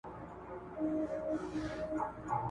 تغذیه د ماشوم د ودي لپاره ډېره مهمه ده.